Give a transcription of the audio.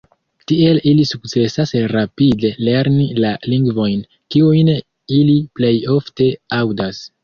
Tiel ili sukcesas rapide lerni la lingvojn, kiujn ili plej ofte aŭdas.